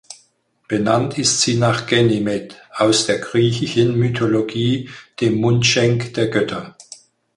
Benannt ist sie nach Ganymed aus der griechischen Mythologie, dem Mundschenk der Götter.